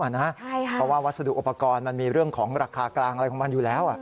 เพราะว่าวัสดุอุปกรณ์มันมีเรื่องของราคากลางอะไรของมันอยู่แล้ว